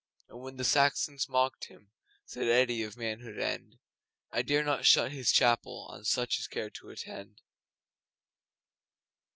And when the Saxons mocked him, Said Eddi of Manhood End, 'I dare not shut His chapel On such as care to attend.